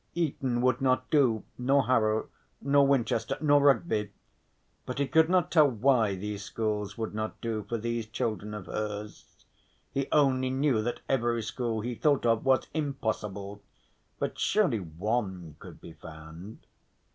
Eton would not do, nor Harrow, nor Winchester, nor Rugby.... But he could not tell why these schools would not do for these children of hers, he only knew that every school he thought of was impossible, but surely one could be found.